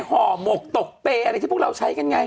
ห่อหมกตกเปย์อะไรที่พวกเราใช้กันไง